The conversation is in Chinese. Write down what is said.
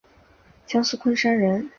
江苏昆山人。